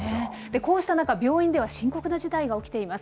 こうした中、病院では深刻な事態が起きています。